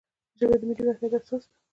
ژبه د ملي وحدت اساس ده.